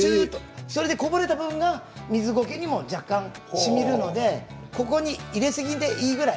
こぼれた分が水ゴケにも若干しみるのでここに入れすぎていいぐらい。